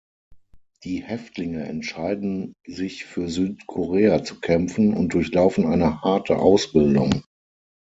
Die Häftlinge entscheiden sich für Südkorea zu kämpfen und durchlaufen eine harte Ausbildung.